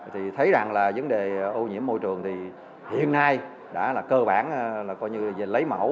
thì thấy rằng là vấn đề ô nhiễm môi trường thì hiện nay đã là cơ bản là coi như là lấy mẫu